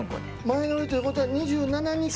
・前乗りということは２７日に。